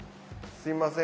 すみません